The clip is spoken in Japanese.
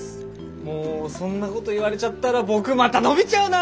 もうそんなこと言われちゃったら僕また伸びちゃうな。